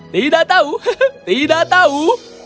tidak tahu tidak tahu